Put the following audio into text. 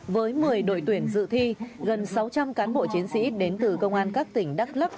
với một mươi đội tuyển dự thi gần sáu trăm linh cán bộ chiến sĩ đến từ công an các tỉnh đắk lắc